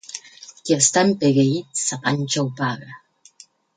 Qui està empegueït, sa panxa ho paga.